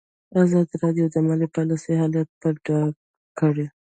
ازادي راډیو د مالي پالیسي حالت په ډاګه کړی.